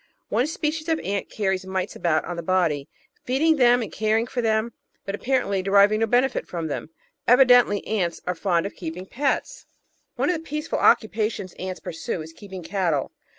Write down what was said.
One species of ant carries mites about on the body, feeding them and caring for them, but ap parently deriving no benefit from them. Evidently ants are fond of keeping pets! One of the peaceful occupations ants pursue is keeping "cattle."